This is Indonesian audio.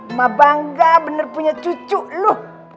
emang bangga bener punya cucu lu